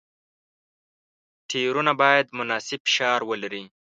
ټایرونه باید مناسب فشار ولري.